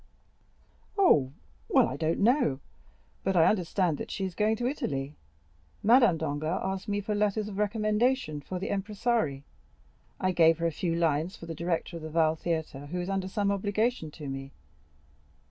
"Oh, well, I don't know; but I understand that she is going to Italy. Madame Danglars asked me for letters of recommendation for the impresari; I gave her a few lines for the director of the Valle Theatre, who is under some obligation to me.